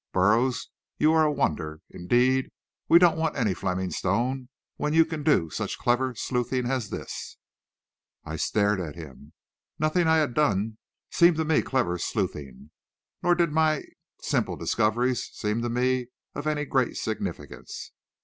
Burroughs, you're a wonder! Indeed, we don't want any Fleming Stone, when you can do such clever sleuthing as this." I stared at him. Nothing I had done seemed to me "clever sleuthing," nor did my simple discoveries seem to me of any great significance.